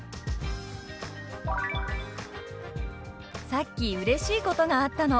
「さっきうれしいことがあったの」。